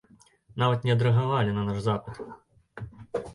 Нават не адрэагавалі на наш запыт.